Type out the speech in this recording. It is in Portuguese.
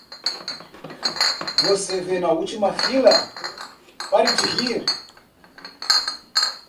Você vê na última fila, pare de rir!